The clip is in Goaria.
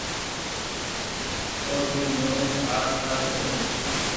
او ر ڀي نئو ڪآرڊ ٺرآ ۮينو۔